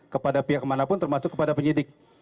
kepada pihak manapun termasuk kepada penyidik